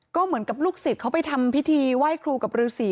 ก็เหมือนกับลูกศิษย์เขาไปทำพิธีไหว้ครูกับฤษี